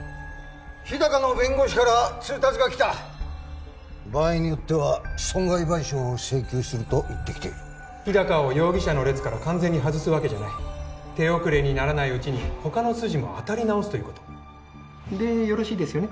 日高の弁護士から通達が来た場合によっては損害賠償を請求すると言ってきている日高を容疑者の列から完全に外すわけじゃない手遅れにならないうちに他の筋も当たり直すということでよろしいですよね？